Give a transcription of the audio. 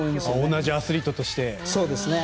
同じアスリートとして。